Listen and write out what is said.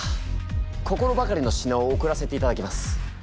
心ばかりの品を贈らせていただきます。